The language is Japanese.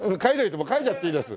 うん書いちゃっていいです。